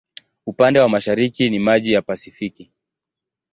Upande wa mashariki ni maji ya Pasifiki.